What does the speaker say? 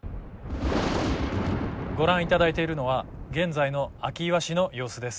ご覧いただいているのは現在の明岩市の様子です。